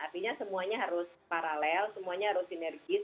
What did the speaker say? artinya semuanya harus paralel semuanya harus sinergis